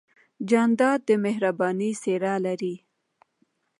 جانداد د مهربانۍ څېرہ لري.